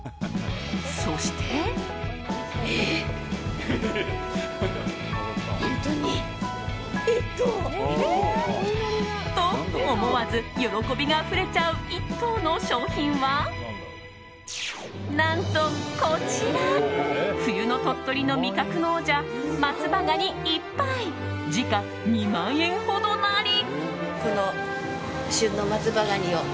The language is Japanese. そして。と、思わず喜びがあふれちゃう１等の賞品は何とこちら冬の鳥取の味覚の王者松葉がに１杯時価２万円ほどなり。